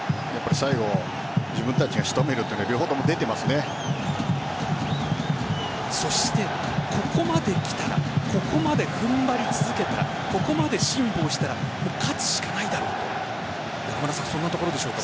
最後は自分たちが仕留めるというのがここまで来たらここまで踏ん張り続けたらここまで辛抱したら勝つしかないだろうとそんなところでしょうか。